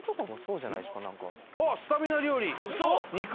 スタミナ料理？